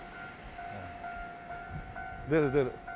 出る出る。